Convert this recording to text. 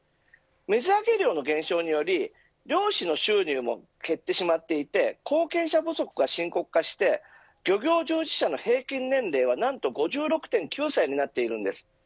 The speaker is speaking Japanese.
水揚げ量の減少により漁師の収入も減ってしまっていて後継者不足が深刻化して漁業従事者の平均年齢は何と５６．９歳になっているんです。